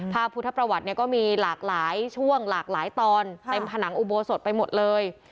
พุทธประวัติเนี่ยก็มีหลากหลายช่วงหลากหลายตอนเต็มผนังอุโบสถไปหมดเลย